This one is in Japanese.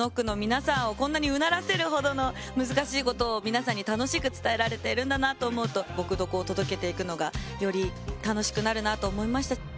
ＱｕｉｚＫｎｏｃｋの皆さんをこんなにうならせるほどの難しいことを皆さんに楽しく伝えられているんだなと思うと「ぼくドコ」を届けていくのがより楽しくなるなと思いました。